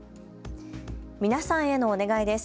皆さんへのお願いです。